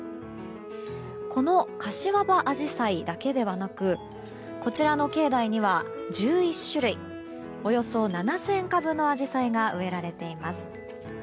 この柏葉アジサイだけではなくこちらの境内には１１種類およそ７０００株のアジサイが植えられています。